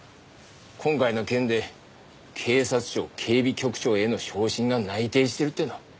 今回の件で警察庁警備局長への昇進が内定してるっていうの。